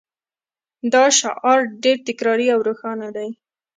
دا شعار ډیر تکراري او روښانه دی